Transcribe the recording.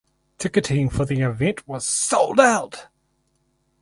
Ticketing for the event was sold out.